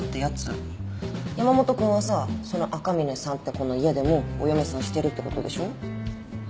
山本君はさその赤嶺さんって子の家でもお嫁さんしてるってことでしょ？